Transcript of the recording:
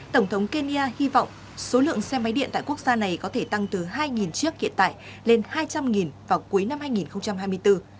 tổng thống kenya hy vọng số lượng xe máy điện tại quốc gia này có thể tăng từ hai chiếc hiện tại lên hai trăm linh vào cuối năm hai nghìn hai mươi bốn